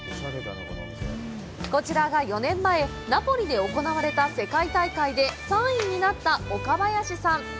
こちらが４年前ナポリで行われた世界大会で３位になった岡林さん